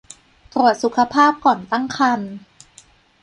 ตรวจสุขภาพก่อนตั้งครรภ์